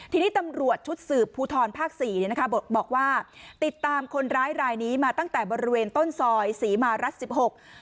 ทีนี้ตำรวจชุดสืบภูทรภาคสี่เนี่ยนะคะบอกว่าติดตามคนร้ายรายนี้มาตั้งแต่บริเวณต้นซอยศรีมารัฐสิบหก